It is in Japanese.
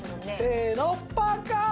せーのパッカーン！